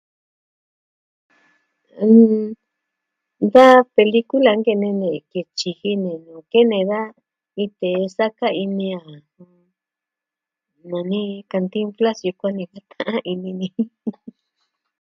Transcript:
ɨɨm... Da pelikula nkene ni ke tyiji ni nu kene daa iin te saka ini a nani kantinflas yukuan ni jen ta'an ini ni.